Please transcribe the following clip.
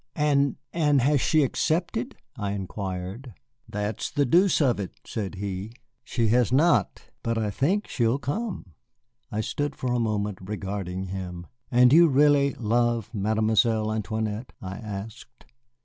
"And and has she accepted?" I inquired. "That's the deuce of it," said he; "she has not. But I think she'll come." I stood for a moment regarding him. "And you really love Mademoiselle Antoinette?" I asked.